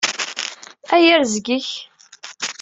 Ay arezg-ik!